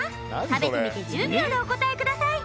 食べてみて１０秒でお答えください